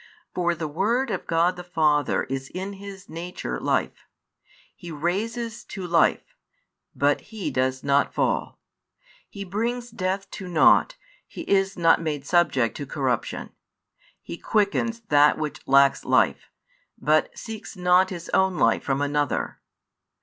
For the Word of God the Father is in His Nature Life: He raises to life, but He does not fall: He brings death to naught, He is not made subject to corruption: He quickens that which lacks life, but seeks not His own life from another.